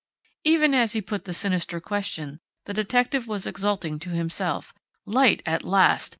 _" Even as he put the sinister question, the detective was exulting to himself: "Light at last!